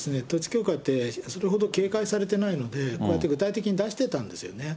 料金表は、韓国では、統一教会ってそれほど警戒されてないので、こうやって具体的に出してたんですよね。